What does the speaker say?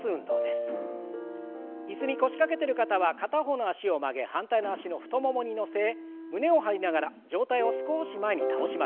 椅子に腰掛けてる方は片方の脚を曲げ反対の脚の太ももに乗せ胸を張りながら上体を少し前に倒しましょう。